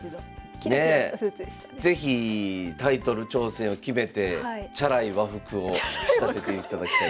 是非タイトル挑戦を決めてチャラい和服を仕立てていただきたいと思います。